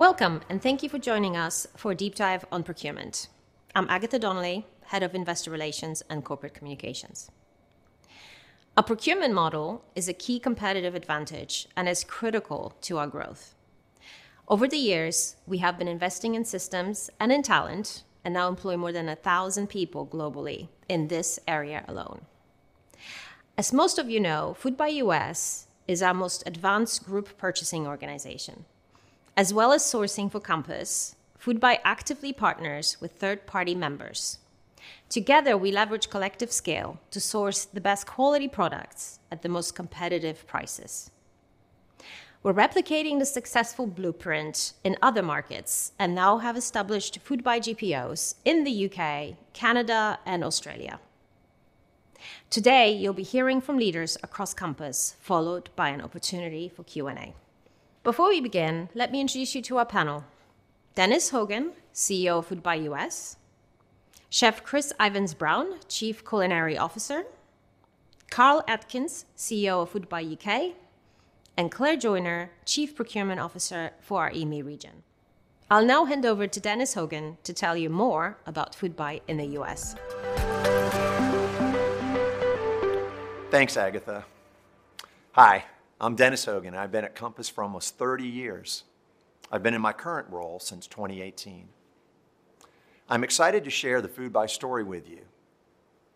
Welcome, and thank you for joining us for a deep dive on procurement. I'm Agatha Donnelly, Head of Investor Relations and Corporate Communications. Our procurement model is a key competitive advantage and is critical to our growth. Over the years, we have been investing in systems and in talent, and now employ more than a thousand people globally in this area alone. As most of you know, Foodbuy U.S. is our most advanced group purchasing organization. As well as sourcing for Compass, Foodbuy actively partners with third-party members. Together, we leverage collective scale to source the best quality products at the most competitive prices. We're replicating the successful blueprint in other markets and now have established Foodbuy GPOs in the U.K., Canada, and Australia. Today, you'll be hearing from leaders across Compass, followed by an opportunity for Q&A. Before we begin, let me introduce you to our panel: Dennis Hogan, CEO of Foodbuy US; Chef Chris Ivens-Brown, Chief Culinary Officer; Karl Atkins, CEO of Foodbuy UK; and Claire Joiner, Chief Procurement Officer for our EMEA region. I'll now hand over to Dennis Hogan to tell you more about Foodbuy in the US. Thanks, Agatha. Hi, I'm Dennis Hogan. I've been at Compass for almost 30 years. I've been in my current role since 2018. I'm excited to share the Foodbuy story with you.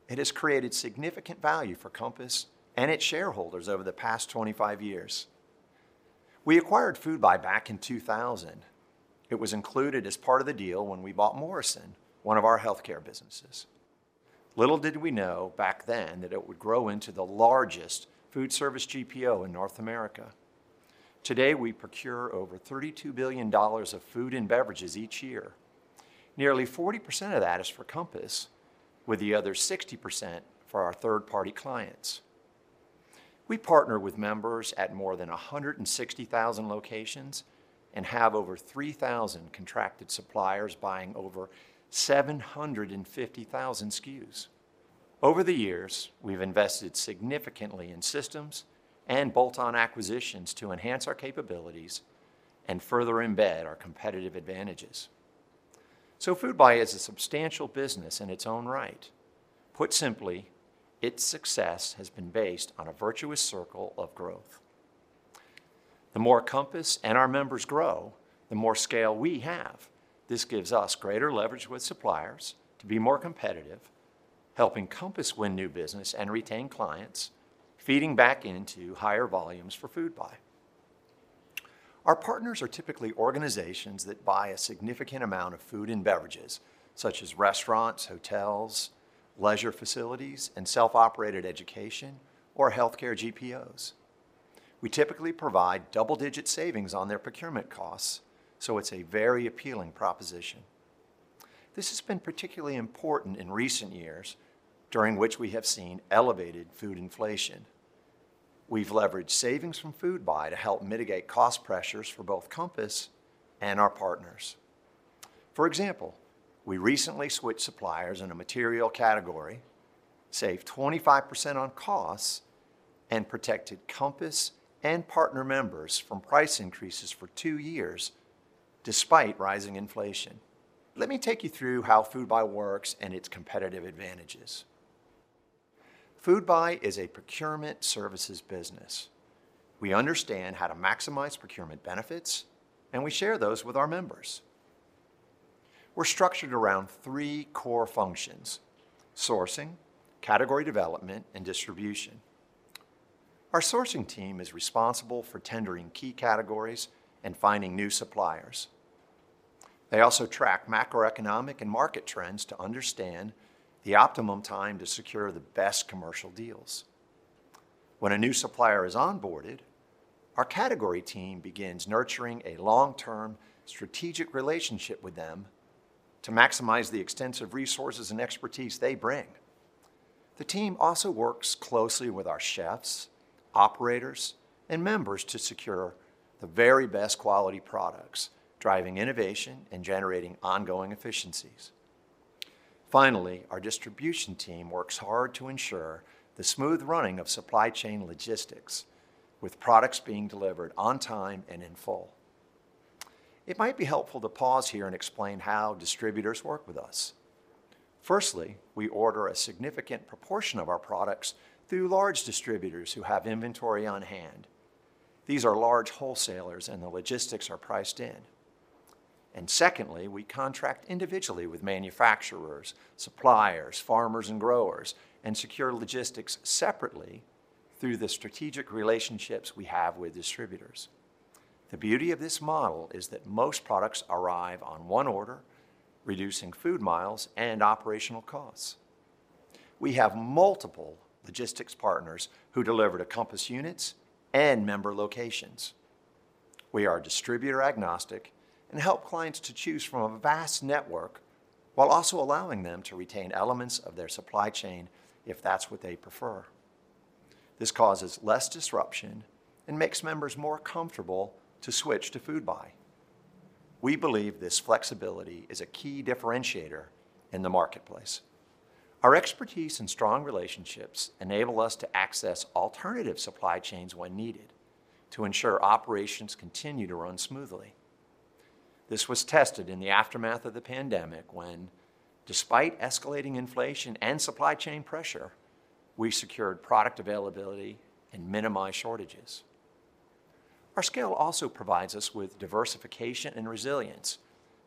It has created significant value for Compass and its shareholders over the past 25 years. We acquired Foodbuy back in 2000. It was included as part of the deal when we bought Morrison, one of our healthcare businesses. Little did we know back then that it would grow into the largest food service GPO in North America. Today, we procure over $32 billion of food and beverages each year. Nearly 40% of that is for Compass, with the other 60% for our third-party clients. We partner with members at more than 160,000 locations and have over 3,000 contracted suppliers buying over 750,000 SKUs. Over the years, we've invested significantly in systems and bolt-on acquisitions to enhance our capabilities and further embed our competitive advantages. So Foodbuy is a substantial business in its own right. Put simply, its success has been based on a virtuous circle of growth. The more Compass and our members grow, the more scale we have. This gives us greater leverage with suppliers to be more competitive, helping Compass win new business and retain clients, feeding back into higher volumes for Foodbuy. Our partners are typically organizations that buy a significant amount of food and beverages, such as restaurants, hotels, leisure facilities, and self-operated education or healthcare GPOs. We typically provide double-digit savings on their procurement costs, so it's a very appealing proposition. This has been particularly important in recent years, during which we have seen elevated food inflation. We've leveraged savings from Foodbuy to help mitigate cost pressures for both Compass and our partners. For example, we recently switched suppliers in a material category, saved 25% on costs, and protected Compass and partner members from price increases for two years despite rising inflation. Let me take you through how Foodbuy works and its competitive advantages. Foodbuy is a procurement services business. We understand how to maximize procurement benefits, and we share those with our members. We're structured around three core functions: sourcing, category development, and distribution. Our sourcing team is responsible for tendering key categories and finding new suppliers. They also track macroeconomic and market trends to understand the optimum time to secure the best commercial deals. When a new supplier is onboarded, our category team begins nurturing a long-term strategic relationship with them to maximize the extensive resources and expertise they bring. The team also works closely with our chefs, operators, and members to secure the very best quality products, driving innovation and generating ongoing efficiencies. Finally, our distribution team works hard to ensure the smooth running of supply chain logistics, with products being delivered on time and in full. It might be helpful to pause here and explain how distributors work with us. Firstly, we order a significant proportion of our products through large distributors who have inventory on hand. These are large wholesalers, and the logistics are priced in. And secondly, we contract individually with manufacturers, suppliers, farmers, and growers, and secure logistics separately through the strategic relationships we have with distributors. The beauty of this model is that most products arrive on one order, reducing food miles and operational costs. We have multiple logistics partners who deliver to Compass units and member locations. We are distributor agnostic and help clients to choose from a vast network while also allowing them to retain elements of their supply chain if that's what they prefer. This causes less disruption and makes members more comfortable to switch to Foodbuy. We believe this flexibility is a key differentiator in the marketplace.... Our expertise and strong relationships enable us to access alternative supply chains when needed to ensure operations continue to run smoothly. This was tested in the aftermath of the pandemic, when, despite escalating inflation and supply chain pressure, we secured product availability and minimized shortages. Our scale also provides us with diversification and resilience.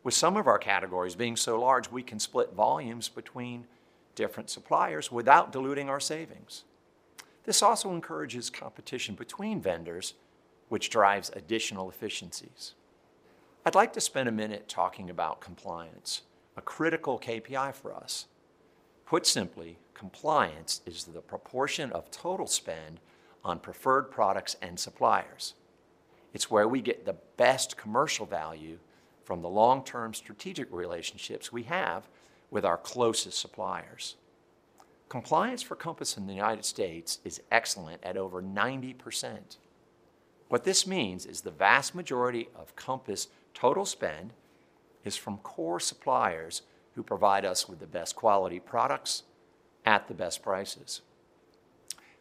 With some of our categories being so large, we can split volumes between different suppliers without diluting our savings. This also encourages competition between vendors, which drives additional efficiencies. I'd like to spend a minute talking about compliance, a critical KPI for us. Put simply, compliance is the proportion of total spend on preferred products and suppliers. It's where we get the best commercial value from the long-term strategic relationships we have with our closest suppliers. Compliance for Compass in the United States is excellent at over 90%. What this means is the vast majority of Compass' total spend is from core suppliers who provide us with the best quality products at the best prices.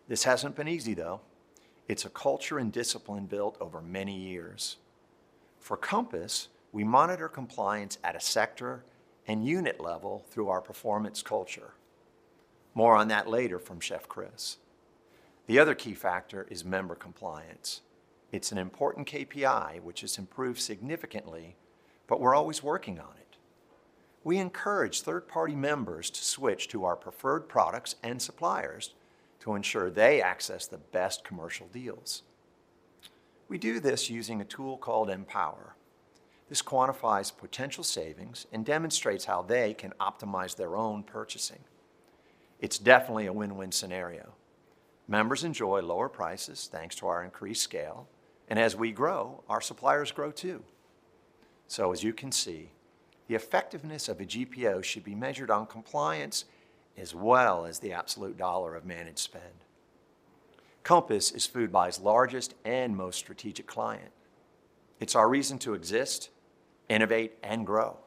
This hasn't been easy, though. It's a culture and discipline built over many years. For Compass, we monitor compliance at a sector and unit level through our performance culture. More on that later from Chef Chris. The other key factor is member compliance. It's an important KPI, which has improved significantly, but we're always working on it. We encourage third-party members to switch to our preferred products and suppliers to ensure they access the best commercial deals. We do this using a tool called Empower. This quantifies potential savings and demonstrates how they can optimize their own purchasing. It's definitely a win-win scenario. Members enjoy lower prices, thanks to our increased scale, and as we grow, our suppliers grow too. So as you can see, the effectiveness of a GPO should be measured on compliance as well as the absolute dollar of managed spend. Compass is Foodbuy's largest and most strategic client. It's our reason to exist, innovate, and grow,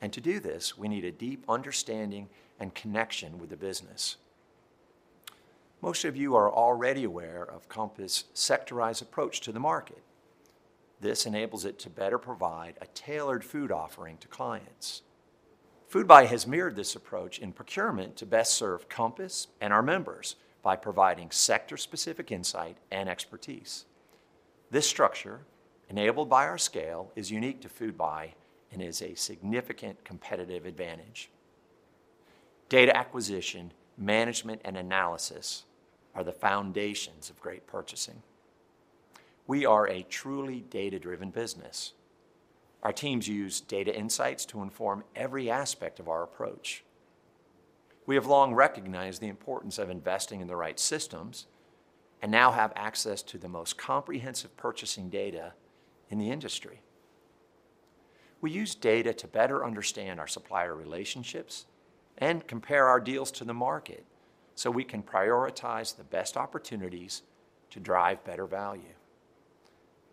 and to do this, we need a deep understanding and connection with the business. Most of you are already aware of Compass' sectorized approach to the market. This enables it to better provide a tailored food offering to clients. Foodbuy has mirrored this approach in procurement to best serve Compass and our members by providing sector-specific insight and expertise. This structure, enabled by our scale, is unique to Foodbuy and is a significant competitive advantage. Data acquisition, management, and analysis are the foundations of great purchasing. We are a truly data-driven business. Our teams use data insights to inform every aspect of our approach. We have long recognized the importance of investing in the right systems and now have access to the most comprehensive purchasing data in the industry. We use data to better understand our supplier relationships and compare our deals to the market so we can prioritize the best opportunities to drive better value.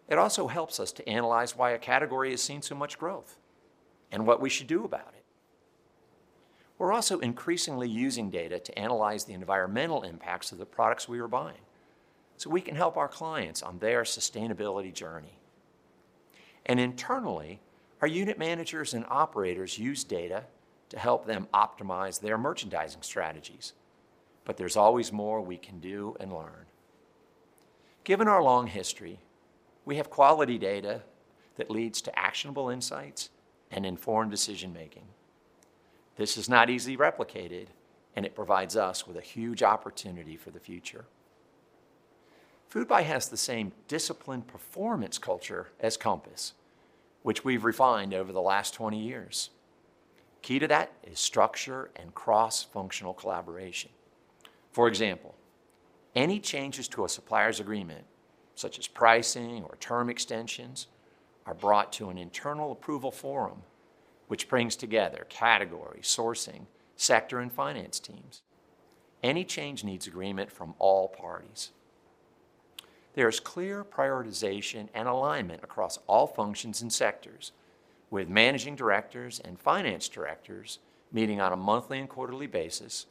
It also helps us to analyze why a category has seen so much growth and what we should do about it. We're also increasingly using data to analyze the environmental impacts of the products we are buying, so we can help our clients on their sustainability journey. And internally, our unit managers and operators use data to help them optimize their merchandising strategies, but there's always more we can do and learn. Given our long history, we have quality data that leads to actionable insights and informed decision making. This is not easily replicated, and it provides us with a huge opportunity for the future. Foodbuy has the same disciplined performance culture as Compass, which we've refined over the last twenty years. Key to that is structure and cross-functional collaboration. For example, any changes to a supplier's agreement, such as pricing or term extensions, are brought to an internal approval forum, which brings together category, sourcing, sector, and finance teams. Any change needs agreement from all parties. There is clear prioritization and alignment across all functions and sectors, with managing directors and finance directors meeting on a monthly and quarterly basis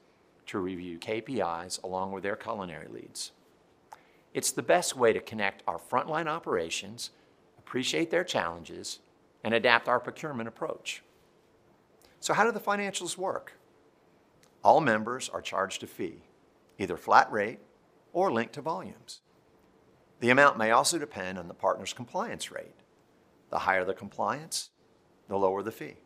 to review KPIs along with their culinary leads. It's the best way to connect our frontline operations, appreciate their challenges, and adapt our procurement approach. So how do the financials work? All members are charged a fee, either flat rate or linked to volumes. The amount may also depend on the partner's compliance rate. The higher the compliance, the lower the fee.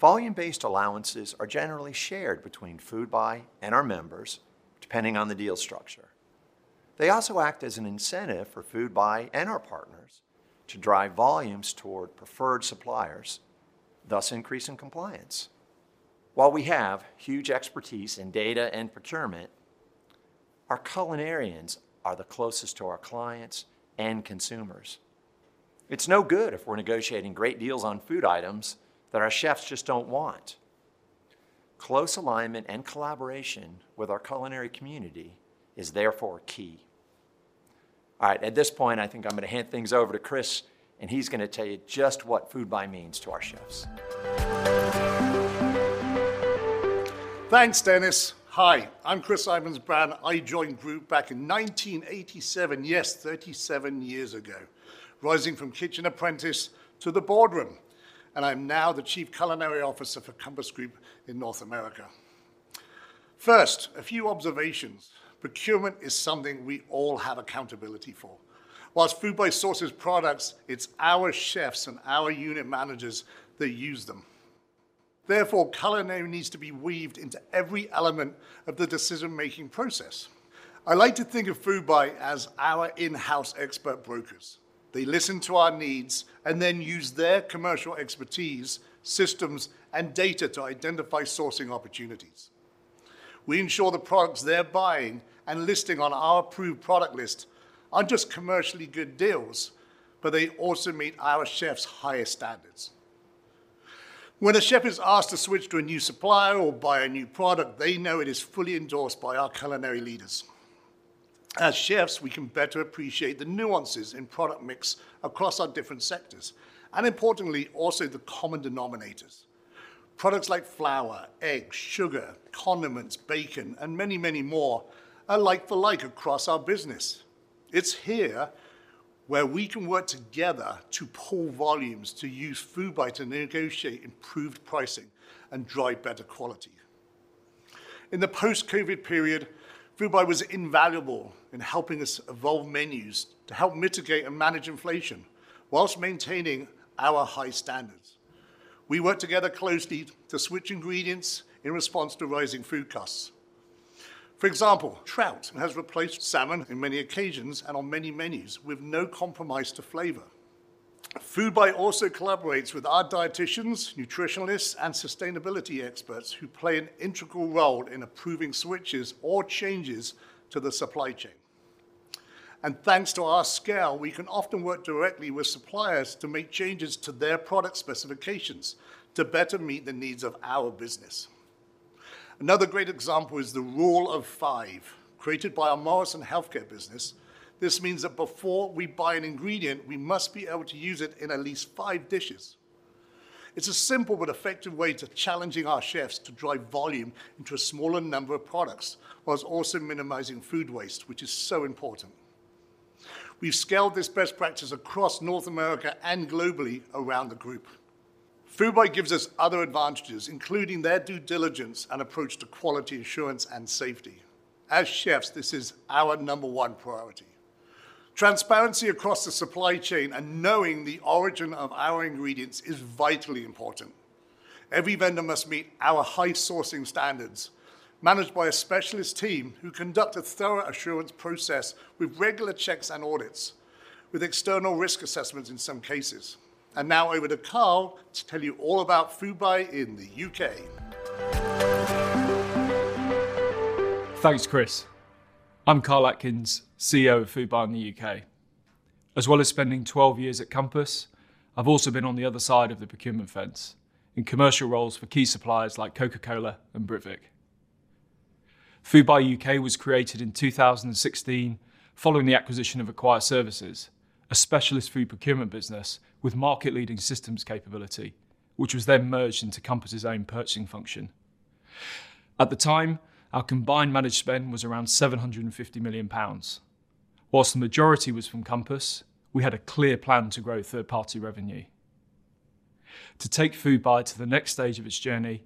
Volume-based allowances are generally shared between Foodbuy and our members, depending on the deal structure. They also act as an incentive for Foodbuy and our partners to drive volumes toward preferred suppliers, thus increasing compliance. While we have huge expertise in data and procurement, our culinarians are the closest to our clients and consumers. It's no good if we're negotiating great deals on food items that our chefs just don't want. Close alignment and collaboration with our culinary community is therefore key.... All right, at this point, I think I'm gonna hand things over to Chris, and he's gonna tell you just what Foodbuy means to our chefs. Thanks, Dennis. Hi, I'm Chris Ivens-Brown. I joined Group back in 1987, yes, 37 years ago, rising from kitchen apprentice to the boardroom, and I'm now the Chief Culinary Officer for Compass Group in North America. First, a few observations. Procurement is something we all have accountability for. Whilst Foodbuy sources products, it's our chefs and our unit managers that use them. Therefore, culinary needs to be weaved into every element of the decision-making process. I like to think of Foodbuy as our in-house expert brokers. They listen to our needs and then use their commercial expertise, systems, and data to identify sourcing opportunities. We ensure the products they're buying and listing on our approved product list aren't just commercially good deals, but they also meet our chefs' highest standards. When a chef is asked to switch to a new supplier or buy a new product, they know it is fully endorsed by our culinary leaders. As chefs, we can better appreciate the nuances in product mix across our different sectors and, importantly, also the common denominators. Products like flour, eggs, sugar, condiments, bacon, and many, many more are like for like across our business. It's here where we can work together to pool volumes, to use Foodbuy to negotiate improved pricing and drive better quality. In the post-COVID period, Foodbuy was invaluable in helping us evolve menus to help mitigate and manage inflation while maintaining our high standards. We worked together closely to switch ingredients in response to rising food costs. For example, trout has replaced salmon in many occasions and on many menus with no compromise to flavor. Foodbuy also collaborates with our dieticians, nutritionalists, and sustainability experts, who play an integral role in approving switches or changes to the supply chain. And thanks to our scale, we can often work directly with suppliers to make changes to their product specifications to better meet the needs of our business. Another great example is the Rule of Five, created by our Morrison Healthcare business. This means that before we buy an ingredient, we must be able to use it in at least five dishes. It's a simple but effective way to challenging our chefs to drive volume into a smaller number of products while also minimizing food waste, which is so important. We've scaled this best practice across North America and globally around the group. Foodbuy gives us other advantages, including their due diligence and approach to quality assurance and safety. As chefs, this is our number one priority. Transparency across the supply chain and knowing the origin of our ingredients is vitally important. Every vendor must meet our high sourcing standards, managed by a specialist team who conduct a thorough assurance process with regular checks and audits, with external risk assessments in some cases. And now over to Karl to tell you all about Foodbuy in the UK. Thanks, Chris. I'm Karl Atkins, CEO of Foodbuy UK. As well as spending 12 years at Compass, I've also been on the other side of the procurement fence in commercial roles for key suppliers like Coca-Cola and Britvic. Foodbuy UK was created in 2016 following the acquisition of Acquire Services, a specialist food procurement business with market-leading systems capability, which was then merged into Compass' own purchasing function. At the time, our combined managed spend was around 750 million pounds. Whilst the majority was from Compass, we had a clear plan to grow third-party revenue. To take Foodbuy to the next stage of its journey,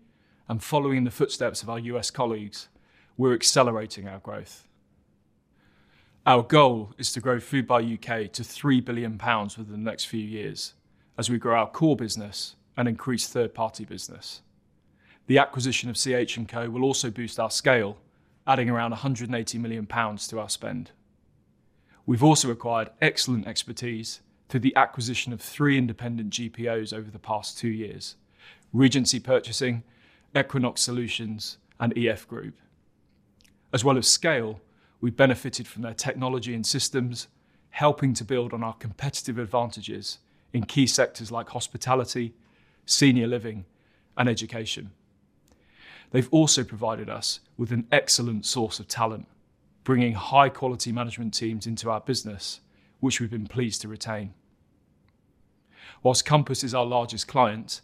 and following in the footsteps of our U.S. colleagues, we're accelerating our growth. Our goal is to grow Foodbuy UK to 3 billion pounds within the next few years as we grow our core business and increase third-party business. The acquisition of CH&Co will also boost our scale, adding around 180 million pounds to our spend. We've also acquired excellent expertise through the acquisition of three independent GPOs over the past two years: Regency Purchasing, Equinox Solutions, and EF Group. As well as scale, we've benefited from their technology and systems, helping to build on our competitive advantages in key sectors like hospitality, senior living, and education. They've also provided us with an excellent source of talent, bringing high-quality management teams into our business, which we've been pleased to retain. Whilst Compass is our largest client,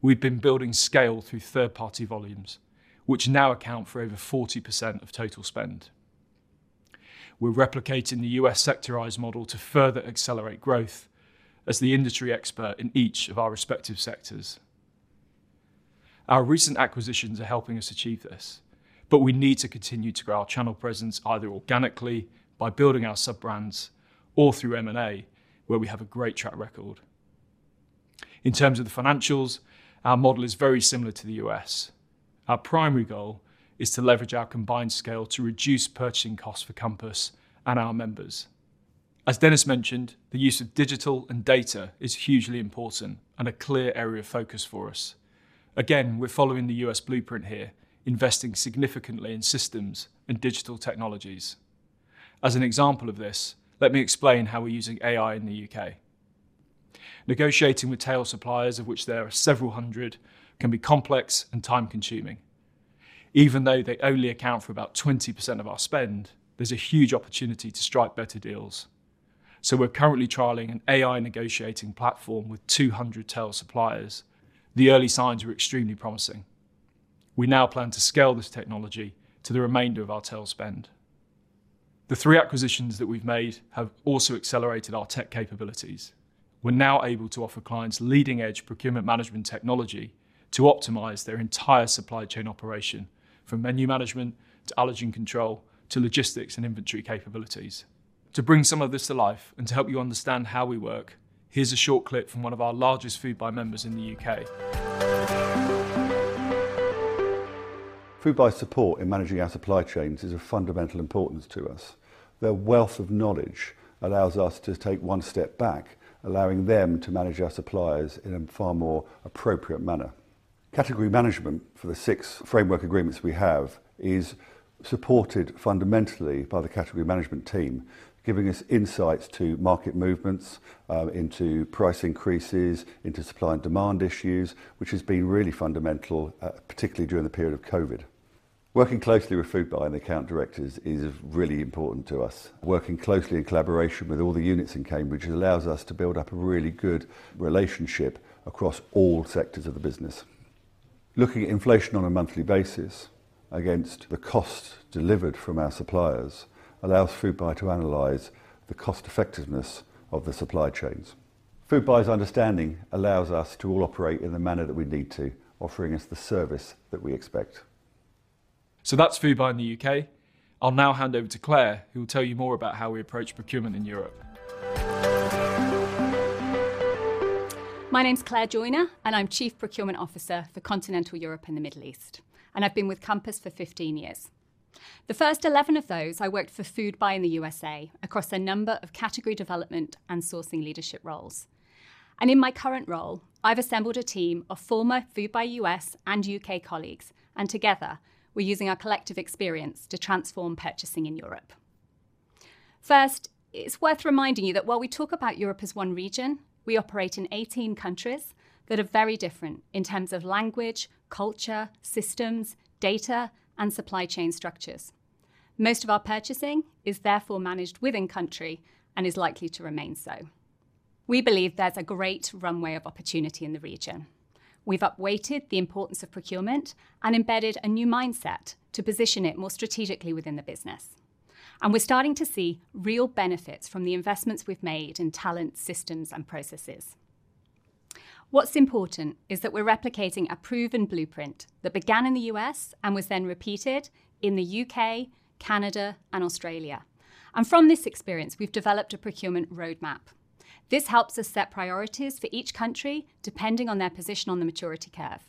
we've been building scale through third-party volumes, which now account for over 40% of total spend. We're replicating the U.S. sectorized model to further accelerate growth as the industry expert in each of our respective sectors. Our recent acquisitions are helping us achieve this, but we need to continue to grow our channel presence, either organically by building our sub-brands or through M&A, where we have a great track record. In terms of the financials, our model is very similar to the U.S. Our primary goal is to leverage our combined scale to reduce purchasing costs for Compass and our members. As Dennis mentioned, the use of digital and data is hugely important and a clear area of focus for us. Again, we're following the U.S. blueprint here, investing significantly in systems and digital technologies. As an example of this, let me explain how we're using AI in the U.K. Negotiating with tail suppliers, of which there are several hundred, can be complex and time-consuming. Even though they only account for about 20% of our spend, there's a huge opportunity to strike better deals. So we're currently trialing an AI negotiating platform with 200 tail suppliers. The early signs are extremely promising. We now plan to scale this technology to the remainder of our tail spend. The three acquisitions that we've made have also accelerated our tech capabilities. We're now able to offer clients leading-edge procurement management technology to optimize their entire supply chain operation, from menu management to allergen control, to logistics and inventory capabilities. To bring some of this to life and to help you understand how we work, here's a short clip from one of our largest Foodbuy members in the UK. Foodbuy's support in managing our supply chains is of fundamental importance to us. Their wealth of knowledge allows us to take one step back, allowing them to manage our suppliers in a far more appropriate manner. Category management for the six framework agreements we have is supported fundamentally by the category management team, giving us insights to market movements, into price increases, into supply and demand issues, which has been really fundamental, particularly during the period of COVID. Working closely with Foodbuy and account directors is really important to us. Working closely in collaboration with all the units in Cambridge allows us to build up a really good relationship across all sectors of the business. Looking at inflation on a monthly basis against the cost delivered from our suppliers allows Foodbuy to analyze the cost effectiveness of the supply chains. Foodbuy's understanding allows us to all operate in the manner that we need to, offering us the service that we expect. So that's Foodbuy in the U.K. I'll now hand over to Claire, who will tell you more about how we approach procurement in Europe. My name's Claire Joiner, and I'm Chief Procurement Officer for Continental Europe and the Middle East, and I've been with Compass for fifteen years. The first eleven of those, I worked for Foodbuy in the USA across a number of category development and sourcing leadership roles. In my current role, I've assembled a team of former Foodbuy US and UK colleagues, and together, we're using our collective experience to transform purchasing in Europe. First, it's worth reminding you that while we talk about Europe as one region, we operate in eighteen countries that are very different in terms of language, culture, systems, data, and supply chain structures. Most of our purchasing is therefore managed within country and is likely to remain so. We believe there's a great runway of opportunity in the region. We've upweighted the importance of procurement and embedded a new mindset to position it more strategically within the business, and we're starting to see real benefits from the investments we've made in talent, systems, and processes. What's important is that we're replicating a proven blueprint that began in the U.S. and was then repeated in the U.K., Canada, and Australia, and from this experience, we've developed a procurement roadmap. This helps us set priorities for each country, depending on their position on the maturity curve.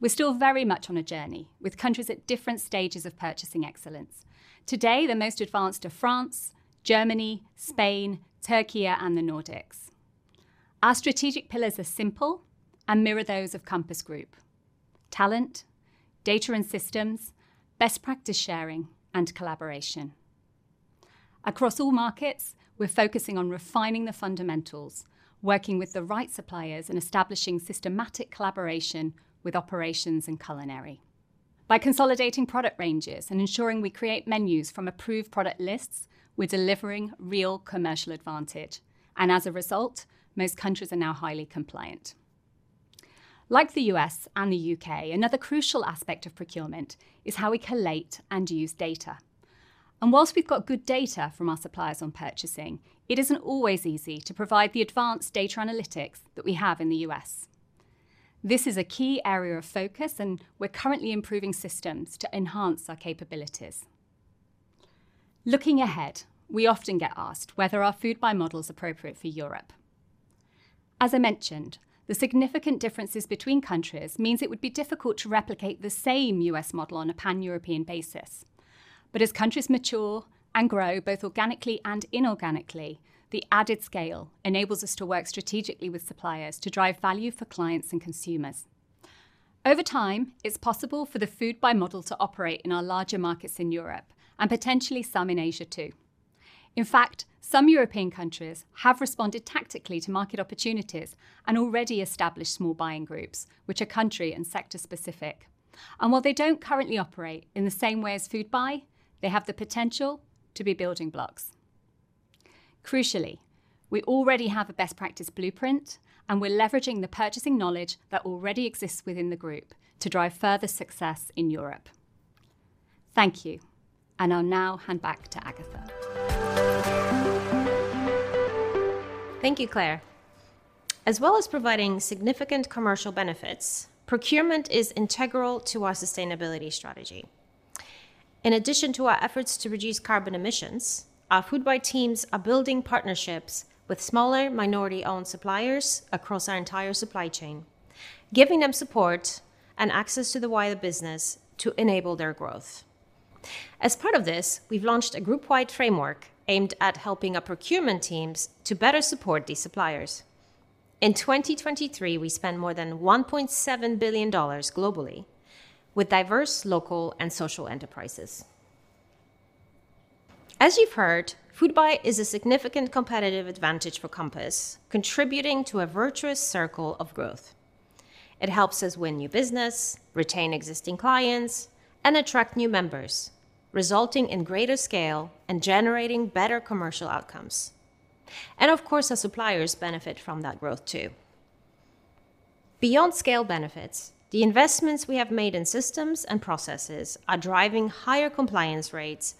We're still very much on a journey, with countries at different stages of purchasing excellence. Today, the most advanced are France, Germany, Spain, Türkiye, and the Nordics. Our strategic pillars are simple and mirror those of Compass Group: talent, data and systems, best practice sharing, and collaboration. Across all markets, we're focusing on refining the fundamentals, working with the right suppliers, and establishing systematic collaboration with operations and culinary. By consolidating product ranges and ensuring we create menus from approved product lists, we're delivering real commercial advantage, and as a result, most countries are now highly compliant. Like the U.S. and the U.K., another crucial aspect of procurement is how we collate and use data. And while we've got good data from our suppliers on purchasing, it isn't always easy to provide the advanced data analytics that we have in the U.S. This is a key area of focus, and we're currently improving systems to enhance our capabilities. Looking ahead, we often get asked whether our Foodbuy model is appropriate for Europe. As I mentioned, the significant differences between countries means it would be difficult to replicate the same U.S. model on a pan-European basis. But as countries mature and grow, both organically and inorganically, the added scale enables us to work strategically with suppliers to drive value for clients and consumers. Over time, it's possible for the Foodbuy model to operate in our larger markets in Europe and potentially some in Asia, too. In fact, some European countries have responded tactically to market opportunities and already established small buying groups, which are country and sector specific. And while they don't currently operate in the same way as Foodbuy, they have the potential to be building blocks. Crucially, we already have a best practice blueprint, and we're leveraging the purchasing knowledge that already exists within the group to drive further success in Europe. Thank you, and I'll now hand back to Agatha. Thank you, Claire. As well as providing significant commercial benefits, procurement is integral to our sustainability strategy. In addition to our efforts to reduce carbon emissions, our Foodbuy teams are building partnerships with smaller, minority-owned suppliers across our entire supply chain, giving them support and access to the wider business to enable their growth. As part of this, we've launched a group-wide framework aimed at helping our procurement teams to better support these suppliers. In 2023, we spent more than $1.7 billion globally with diverse local and social enterprises. As you've heard, Foodbuy is a significant competitive advantage for Compass, contributing to a virtuous circle of growth. It helps us win new business, retain existing clients, and attract new members, resulting in greater scale and generating better commercial outcomes. And of course, our suppliers benefit from that growth, too. Beyond scale benefits, the investments we have made in systems and processes are driving higher compliance rates,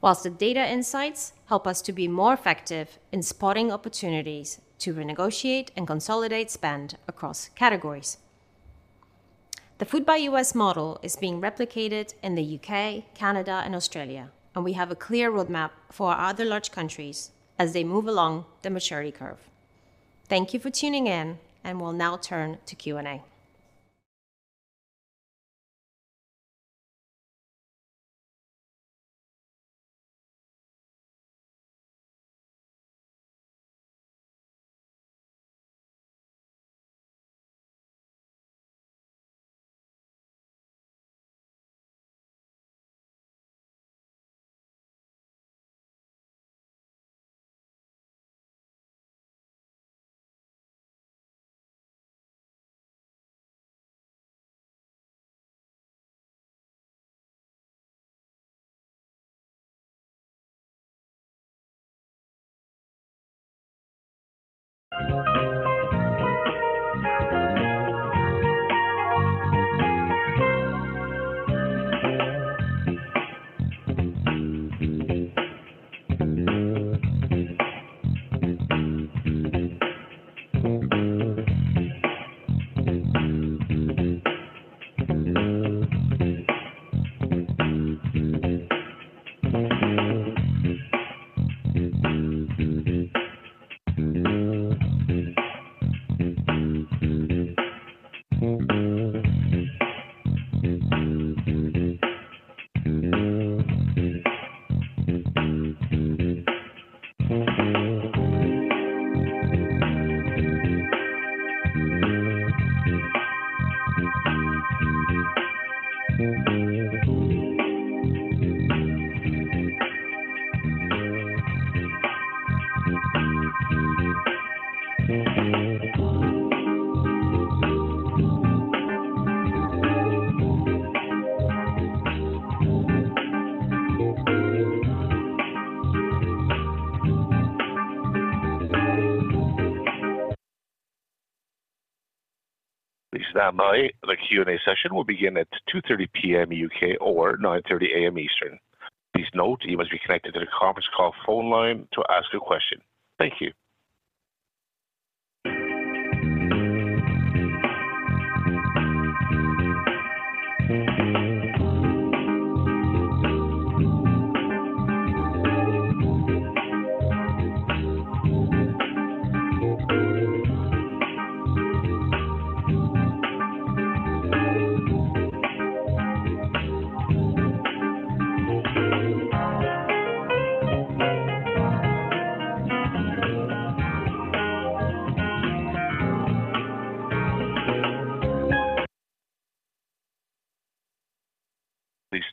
whilst the data insights help us to be more effective in spotting opportunities to renegotiate and consolidate spend across categories. The Foodbuy US model is being replicated in the UK, Canada, and Australia, and we have a clear roadmap for our other large countries as they move along the maturity curve. Thank you for tuning in, and we'll now turn to Q&A. Please stand by. The Q&A session will begin at 2:30 P.M. UK or 9:30 A.M. Eastern. Please note you must be connected to the conference call phone line to ask a question. Thank you.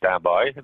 Hello, and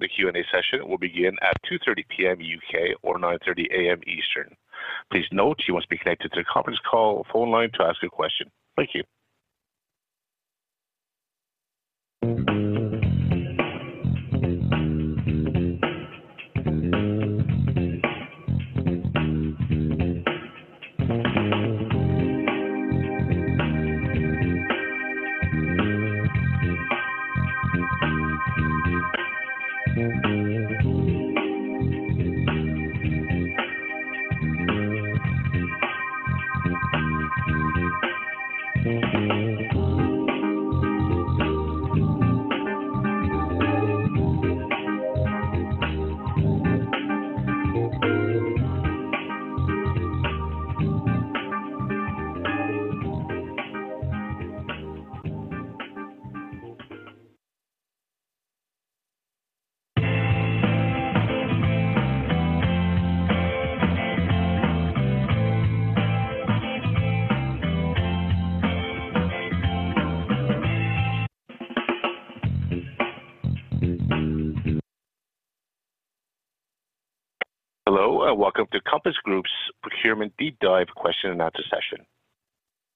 welcome to Compass Group's Procurement Deep Dive Question and Answer session.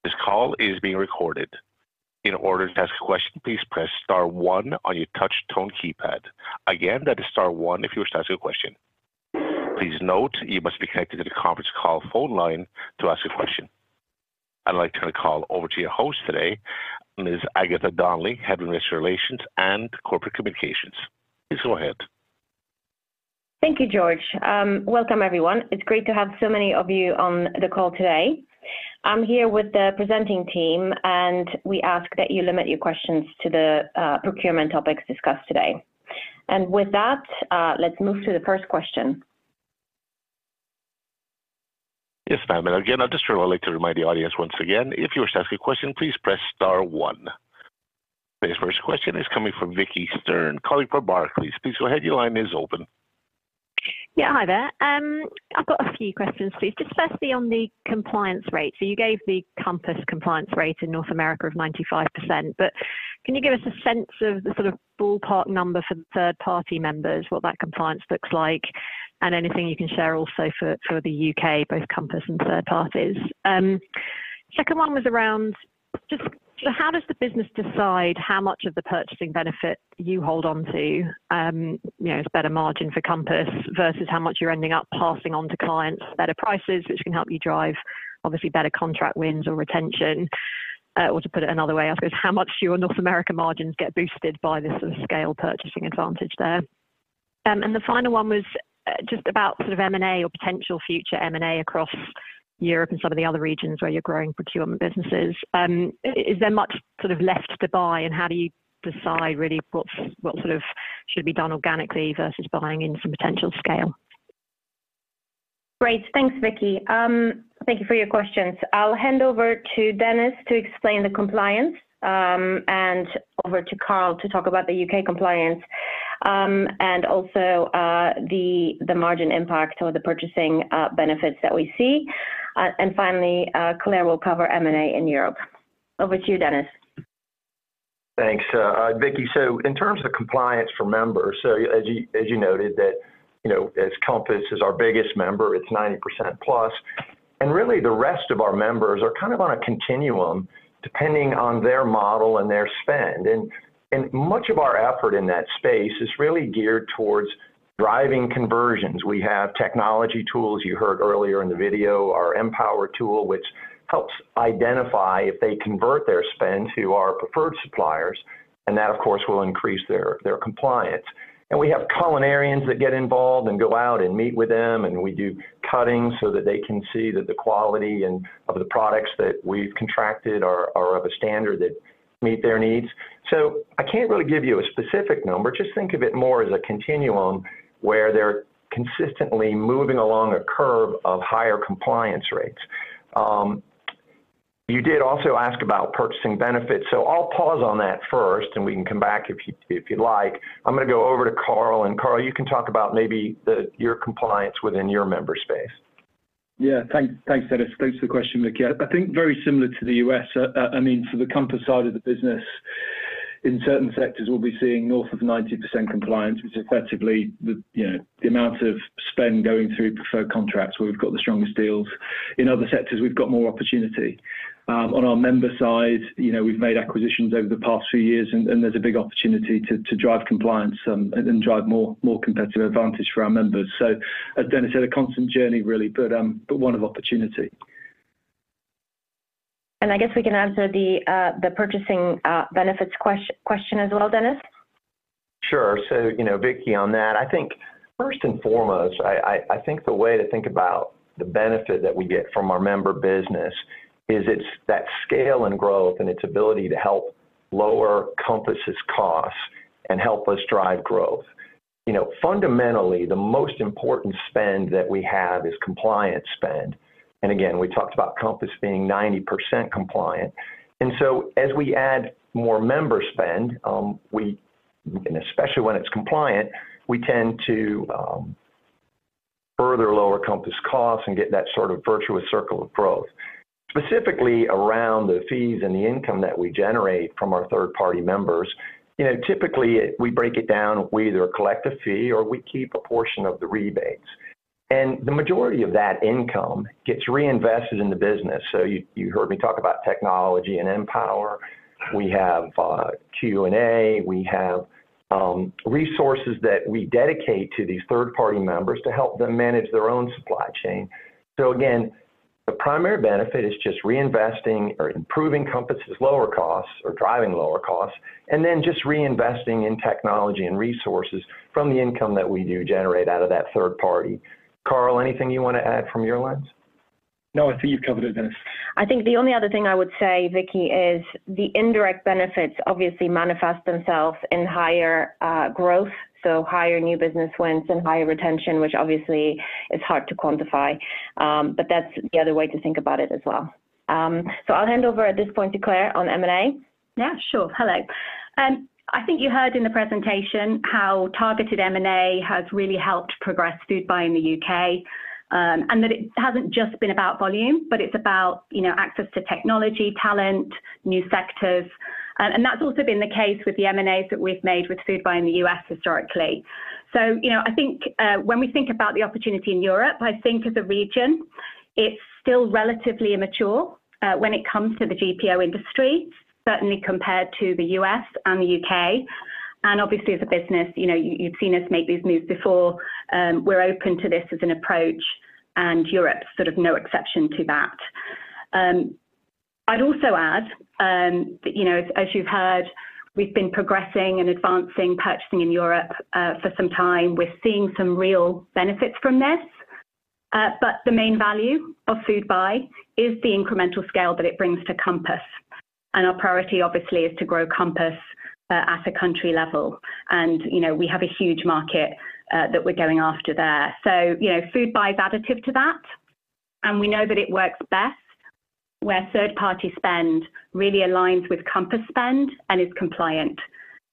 This call is being recorded. In order to ask a question, please press star one on your touch tone keypad. Again, that is star one if you wish to ask a question. Please note, you must be connected to the conference call phone line to ask a question. I'd like to turn the call over to your host today, Ms. Agatha Donnelly, Head of Investor Relations and Corporate Communications. Please go ahead. Thank you, George. Welcome, everyone. It's great to have so many of you on the call today. I'm here with the presenting team, and we ask that you limit your questions to the procurement topics discussed today. And with that, let's move to the first question. Yes, ma'am. And again, I'll just like to remind the audience once again if you wish to ask a question, please press star one. Today's first question is coming from Vicki Stern, calling from Barclays. Please go ahead. Your line is open. Yeah, hi there. I've got a few questions, please. Just firstly, on the compliance rate. So you gave the Compass compliance rate in North America of 95%, but can you give us a sense of the sort of ballpark number for the third-party members, what that compliance looks like, and anything you can share also for the U.K., both Compass and third parties?... Second one was around just how does the business decide how much of the purchasing benefit you hold on to, you know, as better margin for Compass versus how much you're ending up passing on to clients, better prices, which can help you drive, obviously, better contract wins or retention? Or to put it another way, I suppose, how much do your North America margins get boosted by this sort of scale purchasing advantage there? And the final one was just about sort of M&A or potential future M&A across Europe and some of the other regions where you're growing procurement businesses. Is there much sort of left to buy, and how do you decide really what sort of should be done organically versus buying in some potential scale? Great. Thanks, Vicki. Thank you for your questions. I'll hand over to Dennis to explain the compliance, and over to Karl to talk about the U.K. compliance, and also, the margin impact or the purchasing benefits that we see. And finally, Claire will cover M&A in Europe. Over to you, Dennis. Thanks, Vicki. So in terms of compliance for members, as you noted that, you know, as Compass is our biggest member, it's 90% plus, and really, the rest of our members are kind of on a continuum, depending on their model and their spend. And much of our effort in that space is really geared towards driving conversions. We have technology tools you heard earlier in the video, our MPower tool, which helps identify if they convert their spend to our preferred suppliers, and that, of course, will increase their compliance. And we have culinarians that get involved and go out and meet with them, and we do cutting so that they can see that the quality and of the products that we've contracted are of a standard that meet their needs. So I can't really give you a specific number. Just think of it more as a continuum where they're consistently moving along a curve of higher compliance rates. You did also ask about purchasing benefits, so I'll pause on that first, and we can come back if you, if you'd like. I'm going to go over to Karl, and Karl, you can talk about maybe your compliance within your member space. Yeah. Thanks. Thanks, Dennis. Thanks for the question, Vicki. I think very similar to the U.S., I mean, for the Compass side of the business, in certain sectors, we'll be seeing north of 90% compliance, which is effectively the, you know, the amount of spend going through preferred contracts where we've got the strongest deals. In other sectors, we've got more opportunity. On our member side, you know, we've made acquisitions over the past few years, and there's a big opportunity to drive compliance, and drive more competitive advantage for our members. So as Dennis said, a constant journey, really, but one of opportunity. I guess we can answer the purchasing benefits question as well, Dennis? Sure. So, you know, Vicki, on that, I think first and foremost, I think the way to think about the benefit that we get from our member business is it's that scale and growth and its ability to help lower Compass's costs and help us drive growth. You know, fundamentally, the most important spend that we have is compliance spend. And again, we talked about Compass being 90% compliant. And so as we add more member spend, and especially when it's compliant, we tend to further lower Compass costs and get that sort of virtuous circle of growth. Specifically around the fees and the income that we generate from our third-party members, you know, typically, we break it down. We either collect a fee or we keep a portion of the rebates, and the majority of that income gets reinvested in the business. So you heard me talk about technology and Empower. We have Q&A, we have resources that we dedicate to these third-party members to help them manage their own supply chain. So again, the primary benefit is just reinvesting or improving Compass's lower costs or driving lower costs, and then just reinvesting in technology and resources from the income that we do generate out of that third party. Karl, anything you want to add from your lens? No, I think you've covered it, Dennis. I think the only other thing I would say, Vicki, is the indirect benefits obviously manifest themselves in higher growth, so higher new business wins and higher retention, which obviously is hard to quantify, but that's the other way to think about it as well, so I'll hand over at this point to Claire on M&A. Yeah, sure. Hello. I think you heard in the presentation how targeted M&A has really helped progress Foodbuy in the U.K., and that it hasn't just been about volume, but it's about, you know, access to technology, talent, new sectors. And that's also been the case with the M&A's that we've made with Foodbuy in the U.S. historically. So, you know, I think, when we think about the opportunity in Europe, I think as a region, it's still relatively immature, when it comes to the GPO industry, certainly compared to the U.S. and the U.K. And obviously, as a business, you know, you've seen us make these moves before. We're open to this as an approach, and Europe is sort of no exception to that. I'd also add, that, you know, as you've heard, we've been progressing and advancing purchasing in Europe, for some time. We're seeing some real benefits from this, but the main value of Foodbuy is the incremental scale that it brings to Compass. And our priority, obviously, is to grow Compass, at a country level. And, you know, we have a huge market, that we're going after there. So, you know, Foodbuy is additive to that, and we know that it works best where third-party spend really aligns with Compass spend and is compliant,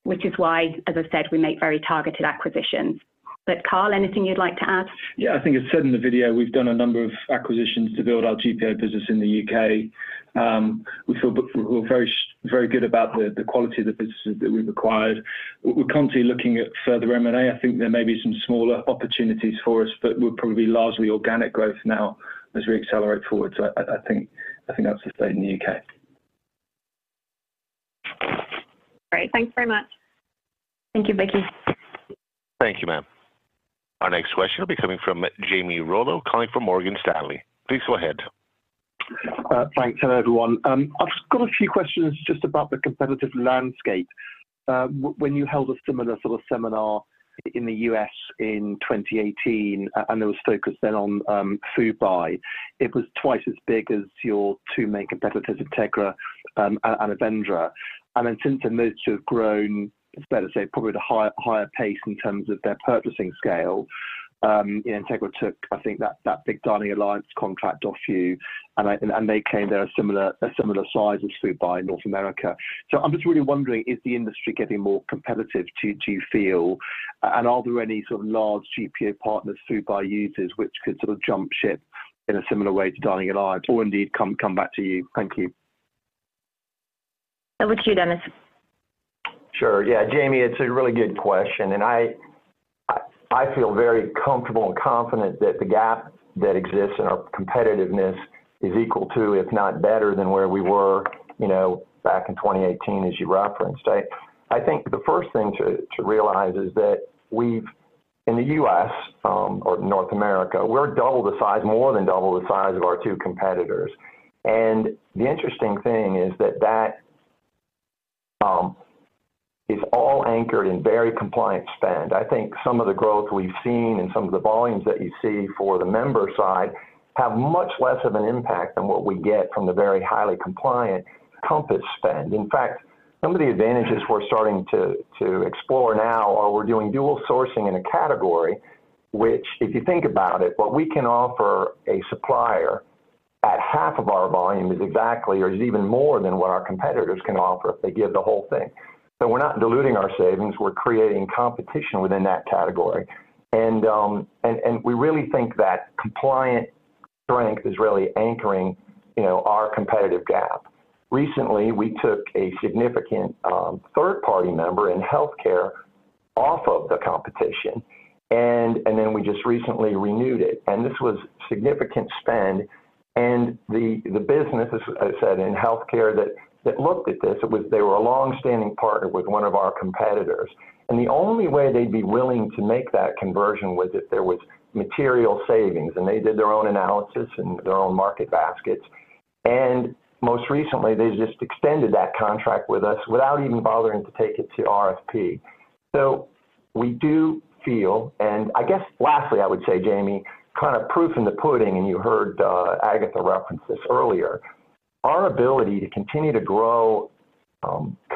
which is why, as I said, we make very targeted acquisitions. But Karl, anything you'd like to add? Yeah, I think as said in the video, we've done a number of acquisitions to build our GPO business in the UK. We feel we're very, very good about the quality of the businesses that we've acquired. We're currently looking at further M&A. I think there may be some smaller opportunities for us, but we're probably largely organic growth now as we accelerate forward. So I think that's the state in the UK. Great, thanks very much. Thank you, Vicki. Thank you, ma'am. Our next question will be coming from Jamie Rollo, calling from Morgan Stanley. Please go ahead. Thanks. Hello, everyone. I've just got a few questions just about the competitive landscape. When you held a similar sort of seminar in the U.S. in twenty eighteen, and it was focused then on Foodbuy, it was twice as big as your two main competitors, Entegra, and Avendra. And then since then, those two have grown, it's fair to say, probably at a higher pace in terms of their purchasing scale. And Entegra took, I think, that big Dining Alliance contract off you, and they came to a similar size as Foodbuy in North America. I'm just really wondering, is the industry getting more competitive? Do you feel, and are there any sort of large GPO partners, Foodbuy users, which could sort of jump ship in a similar way to Dining Alliance or indeed come back to you? Thank you. Over to you, Dennis. Sure. Yeah, Jamie, it's a really good question, and I feel very comfortable and confident that the gap that exists in our competitiveness is equal to, if not better than, where we were, you know, back in 2018, as you referenced, right? I think the first thing to realize is that we've. In the US or North America, we're double the size, more than double the size of our two competitors. And the interesting thing is that is all anchored in very compliant spend. I think some of the growth we've seen and some of the volumes that you see for the member side have much less of an impact than what we get from the very highly compliant Compass spend. In fact, some of the advantages we're starting to explore now are we're doing dual sourcing in a category, which, if you think about it, what we can offer a supplier at half of our volume is exactly or is even more than what our competitors can offer if they give the whole thing. So we're not diluting our savings. We're creating competition within that category. We really think that compliance strength is really anchoring, you know, our competitive gap. Recently, we took a significant third-party member in healthcare off of the competition, and then we just recently renewed it, and this was significant spend. And the businesses, as I said, in healthcare that looked at this, they were a long-standing partner with one of our competitors, and the only way they'd be willing to make that conversion was if there was material savings, and they did their own analysis and their own market baskets. And most recently, they just extended that contract with us without even bothering to take it to RFP. So we do feel. And I guess lastly, I would say, Jamie, kind of proof in the pudding, and you heard Agatha reference this earlier, our ability to continue to grow